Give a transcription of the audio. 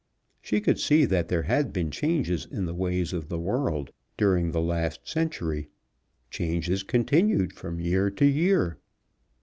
She could see that there had been changes in the ways of the world during the last century, changes continued from year to year.